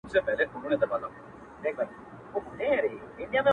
خو په معنوي لحاظ هغه څوک دی